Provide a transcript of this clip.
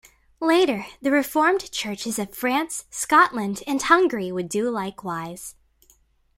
Later, the Reformed churches of France, Scotland, and Hungary would do likewise.